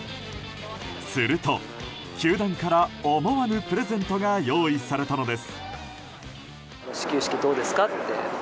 すると球団から思わぬプレゼントが用意されたのです。